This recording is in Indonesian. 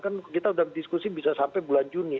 kan kita sudah diskusi bisa sampai bulan juni